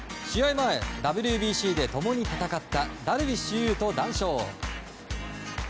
前、ＷＢＣで共に戦ったダルビッシュ有と談笑。